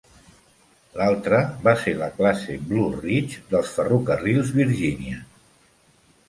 L'altre va ser la classe "Blue Ridge" dels ferrocarrils Virginian.